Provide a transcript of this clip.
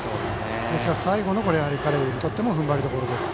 ですから、彼にとっても最後の踏ん張りどころです。